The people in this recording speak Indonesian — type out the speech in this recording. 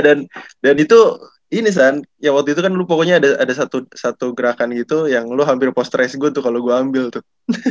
dan itu ini kan ya waktu itu kan lu pokoknya ada satu gerakan gitu yang lu hampir posteris gue tuh kalau gue ambil tuh